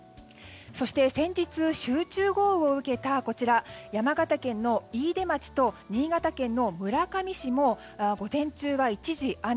そして、先日集中豪雨を受けた山形県の飯豊町と新潟県の村上市も午前中は一時雨。